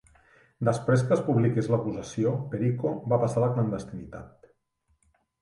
Després que es publiqués l'acusació, Perico va passar a la clandestinitat.